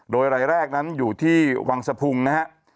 โดยรายแรกนั้นอยู่ที่วังสะพุงนะฮะ